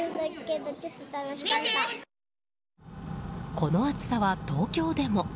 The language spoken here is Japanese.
この暑さは東京でも。